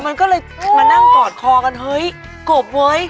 มันก็เลยมานั่งกอดคอกันเฮ้ยกบเว้ย